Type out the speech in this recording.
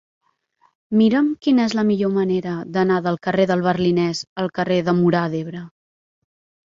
Mira'm quina és la millor manera d'anar del carrer del Berlinès al carrer de Móra d'Ebre.